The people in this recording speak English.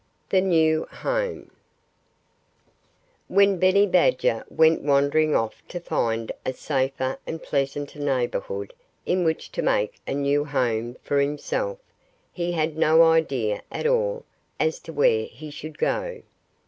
XXI THE NEW HOME When Benny Badger went wandering off to find a safer and pleasanter neighborhood in which to make a new home for himself, he had no idea at all as to where he should go.